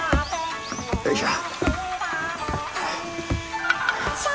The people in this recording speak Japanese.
よいしょ。